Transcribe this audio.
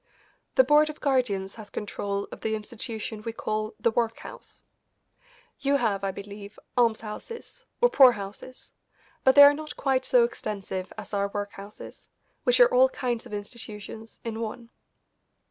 The Board of Guardians has control of the institution we call the workhouse. You have, I believe, almshouses, or poorhouses, but they are not quite so extensive as our workhouses, which are all kinds of institutions in one.